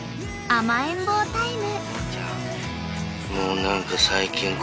甘えん坊タイム］